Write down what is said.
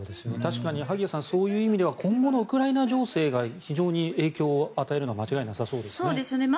確かに萩谷さんそういう意味では今後のウクライナ情勢が非常に影響を与えるのは間違いなさそうですね。